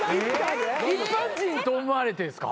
一般人と思われてですか？